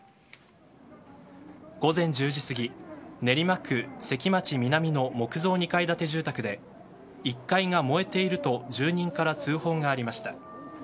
午前１０時過ぎ、練馬区関町南の木造２階建て住宅で１階が燃えていると住人から通報がありました。